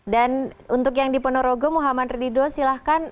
dan untuk yang di ponorogo muhammad ridul silahkan